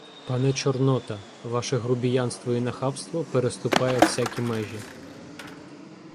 — Пане Чорнота! Ваше грубіянство і нахабство переступає всякі межі.